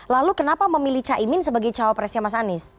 lalu kenapa memilih caimin sebagai cawapresnya mas anies